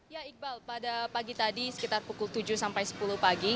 ya iqbal pada pagi tadi sekitar pukul tujuh sampai sepuluh pagi